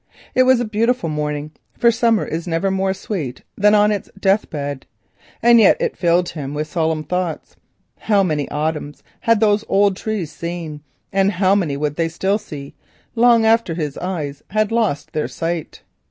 It was a beautiful morning, for summer is never more sweet than on its death bed, and yet it filled him with solemn thoughts. How many autumns had those old trees seen, and how many would they still see, long after his eyes had lost their sight!